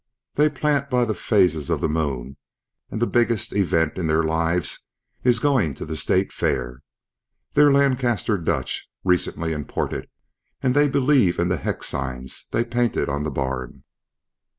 They plant by the phases of the moon and the biggest event in their lives is going to the state fair. They're Lancaster Dutch, recently imported, and they believe in the hex signs they painted on the barn."